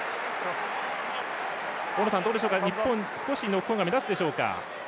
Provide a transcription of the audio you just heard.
大野さん、日本、少しノックオンが目立つでしょうか。